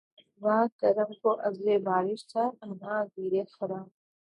واں کرم کو عذرِ بارش تھا عناں گیرِ خرام